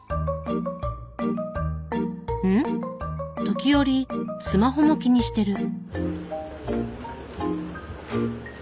時折スマホも気にしてる。